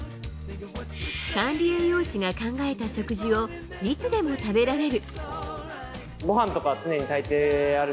管理栄養士が考えた食事をいつでも食べられる。